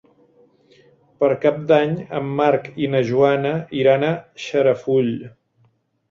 Per Cap d'Any en Marc i na Joana iran a Xarafull.